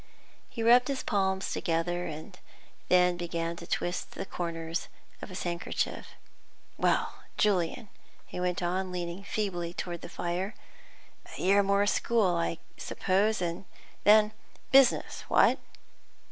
He rubbed his palms together, then began to twist the corners of his handkerchief. "Well, Julian," he went on, leaning feebly forward to the fire, "a year more school, I suppose, and then business; what?"